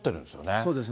そうですね。